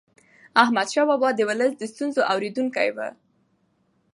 احمدشاه بابا د ولس د ستونزو اورېدونکی و.